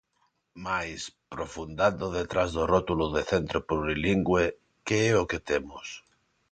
Mais, profundando detrás do rótulo de centro plurilingüe, ¿que é o que temos?